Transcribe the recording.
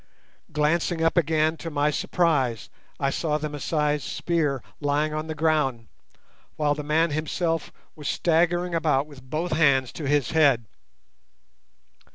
Glancing up again, to my surprise I saw the Masai's spear lying on the ground, while the man himself was staggering about with both hands to his head.